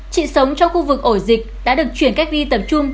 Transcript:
chị sống trong khu vực ổ dịch đã được chuyển cách ly tập trung